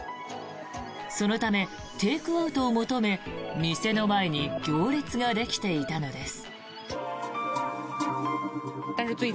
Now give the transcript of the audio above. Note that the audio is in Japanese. そのため、テイクアウトを求め店の前に行列ができていたのです。